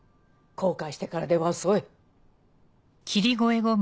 後悔してからでは遅い。